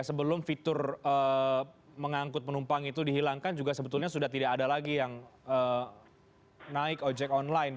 sebelum fitur mengangkut penumpang itu dihilangkan juga sebetulnya sudah tidak ada lagi yang naik ojek online